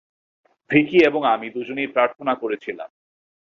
ভিকি এবং আমি দুজনেই প্রার্থনা করেছিলাম।